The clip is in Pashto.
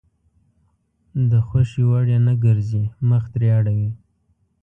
د خوښې وړ يې نه ګرځي مخ ترې اړوي.